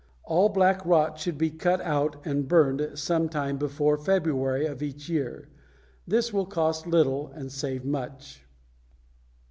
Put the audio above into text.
All black knot should be cut out and burned some time before February of each year. This will cost little and save much.